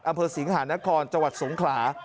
อำเภอสิงหานครจสงขลา